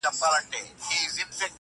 پښتون ژغورني غورځنګ ته!٫